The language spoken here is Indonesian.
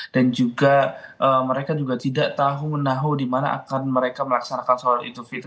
dan juga mereka juga tidak tahu tahu dimana akan mereka melaksanakan sholat idul fitri